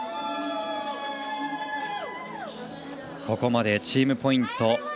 ここまでチームポイント